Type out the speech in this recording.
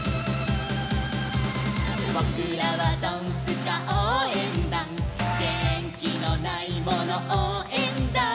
「ぼくらはドンスカおうえんだん」「げんきのないものおうえんだ」